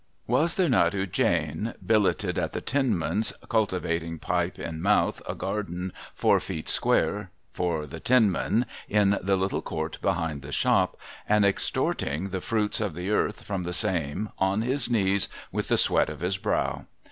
Was there not Eugene, billeted at the Tinman's, cultivating, pipe in mouth, a garden four feet square, for the Tinman, in the little court behind the shop, and extorting the fruits of the earth from the same, on his knees, with the sweat of his brow